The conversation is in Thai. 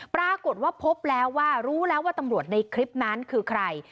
ปรากฏว่าพบแล้วว่ารู้แล้วว่าตำรวจในคลิปนั้นคือใคร